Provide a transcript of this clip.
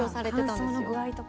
乾燥の具合とか。